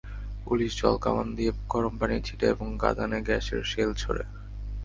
Police জলকামান দিয়ে গরম পানি ছিটায় এবং কাঁদানে গ্যাসের শেল ছোড়ে।